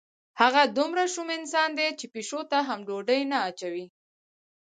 هغه دومره شوم انسان دی چې پیشو ته هم ډوډۍ نه اچوي.